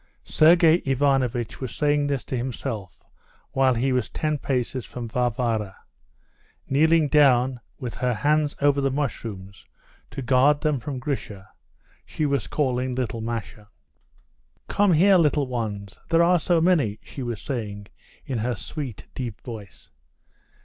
Sergey Ivanovitch was saying this to himself while he was ten paces from Varvara. Kneeling down, with her hands over the mushrooms to guard them from Grisha, she was calling little Masha. "Come here, little ones! There are so many!" she was saying in her sweet, deep voice.